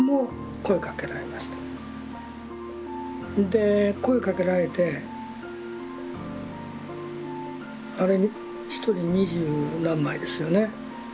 で声かけられてあれ一人二十何枚ですよね。